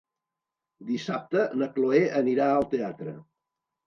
Dissabte na Cloè anirà al teatre.